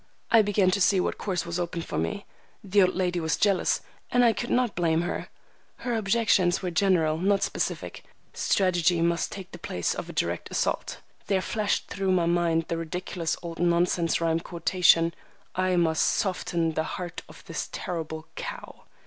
I began to see what course was open for me. The old lady was jealous, and I could not blame her. Her objections were general, not specific. Strategy must take the place of a direct assault. There flashed through my mind the ridiculous old nonsense rhyme quotation,— "I must soften the heart of this terrible cow."